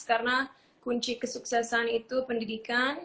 karena kunci kesuksesan itu pendidikan